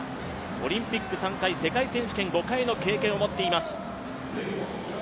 オリンピック３回、世界選手権５回の経験を持っています。